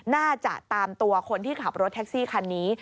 น่าจะตามตัวคนที่ขับรถแท็กซี่คันนี้